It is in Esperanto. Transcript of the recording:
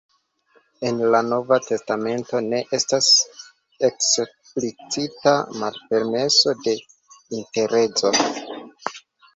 En la nova testamento ne estas eksplicita malpermeso de interezo.